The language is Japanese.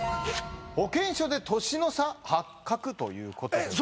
保険証で年の差発覚ということでえ